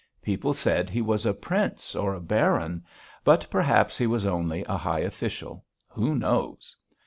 People said he was a prince or a baron, but perhaps he was only a high official who knows?